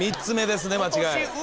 ３つ目ですね間違い。